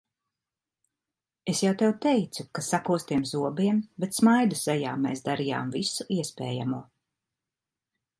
Es jau tev teicu, ka sakostiem zobiem, bet smaidu sejā mēs darījām visu iespējamo.